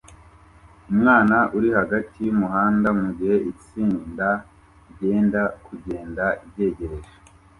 Umwana uri hagati yumuhanda mugihe itsinda ryenda kugenda ryegereje